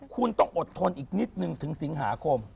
คุณต้องอดทนอีกนิดนึงถึงสิงหาคม